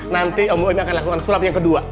nanti om nooyim akan lakukan sulap yang kedua